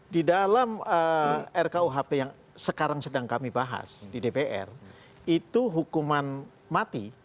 di dalam rkuhp yang sekarang sedang kami bahas di dpr itu hukuman mati